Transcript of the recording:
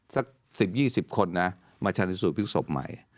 สัก๑๐๒๐คนนะมาชันสูตรพลิกศพใหม่